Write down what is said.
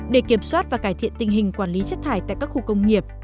để kiểm soát và cải thiện tình hình quản lý chất thải tại các khu công nghiệp